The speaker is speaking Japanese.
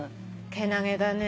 けなげだね。